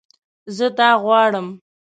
زه دا غواړم